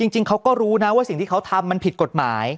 จริงเขาก็รู้นะว่าสิ่งที่เขาทำมันผิดกฎหมาย